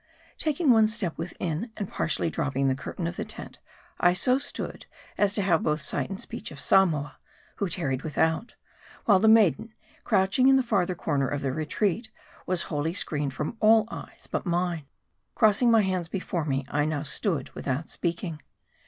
Taking one step within, and partially dropping the curtain of the tent, I so stood, as to have both sight and speech of Samoa, who tarried without ; while the maiden, crouching in the farther corner of the retreat, was wholly screened from all eyes but mine. Crossing my hands before me, I now stood without speak ing.